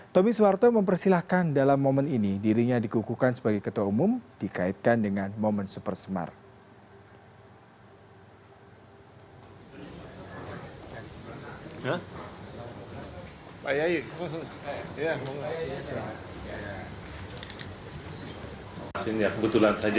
tommy suwarto mempersilahkan dalam momen ini dirinya dikukuhkan sebagai ketua umum dikaitkan dengan momen supersmart